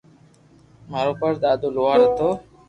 مارو پڙ دادو لوھار ھتو